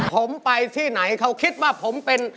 ผมไปที่ไหนเขาคิดว่าผมเป็น